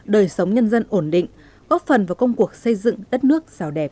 đời sống nhân dân ổn định góp phần vào công cuộc xây dựng đất nước